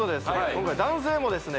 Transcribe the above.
今回男性もですね